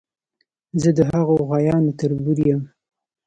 زه د هغو غوایانو تربور یم.